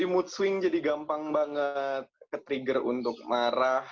mood swing jadi gampang banget ketrigger untuk marah